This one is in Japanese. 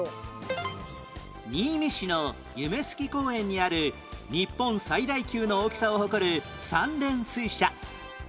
新見市の夢すき公園にある日本最大級の大きさを誇る三連水車